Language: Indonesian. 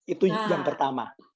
itu yang pertama